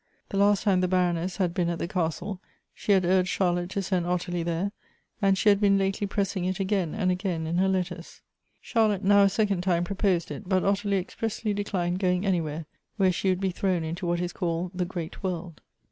The last time the Baroness had been at the castle, she had ui'ged Charlotte to send Ottilie there, and she had been lately pressing it again and again in her letters. Charlotte now a second time proposed it ; but Ottilie expressly declined going anywhere, where she would be thrown into what is called the great world.